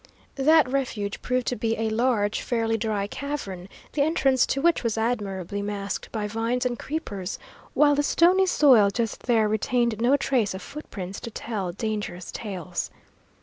That refuge proved to be a large, fairly dry cavern, the entrance to which was admirably masked by vines and creepers, while the stony soil just there retained no trace of footprints to tell dangerous tales.